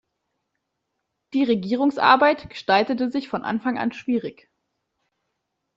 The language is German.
Die Regierungsarbeit gestaltete sich von Anfang an schwierig.